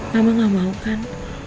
mama gak mau kan